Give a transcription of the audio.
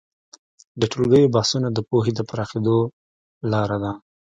د ټولګیو بحثونه د پوهې د پراخېدو لاره ده.